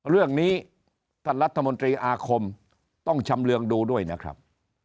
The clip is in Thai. เรื่องนี้ท่านรัฐมนตรีอาคมต้องชำเรืองดูด้วยนะครับ